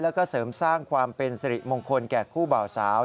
แล้วก็เสริมสร้างความเป็นสิริมงคลแก่คู่บ่าวสาว